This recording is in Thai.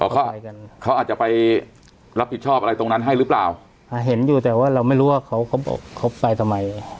เขาเขาอาจจะไปรับผิดชอบอะไรตรงนั้นให้หรือเปล่าเห็นอยู่แต่ว่าเราไม่รู้ว่าเขาเขาบอกเขาไปทำไม